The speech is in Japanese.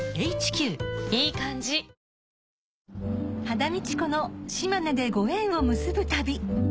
羽田美智子の島根でご縁を結ぶ旅